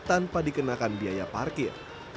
tanpa dikenakan biaya parkir